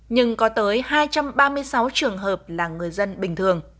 nhưng có tới hai trăm ba mươi sáu trường hợp là người dân bình thường